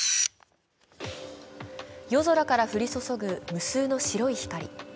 夜空から降り注ぐ無数の白い光。